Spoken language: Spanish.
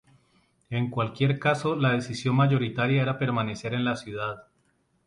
En cualquier caso, la decisión mayoritaria era permanecer en la ciudad.